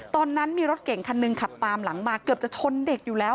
ตอนนั้นมีรถเก่งคันหนึ่งขับตามหลังมาเกือบจะชนเด็กอยู่แล้ว